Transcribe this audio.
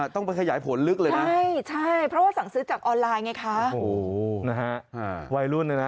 ต้องไปขยายผลลึกเลยนะใช่ค่อย